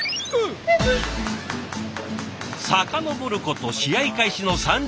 遡ること試合開始の３時間半前。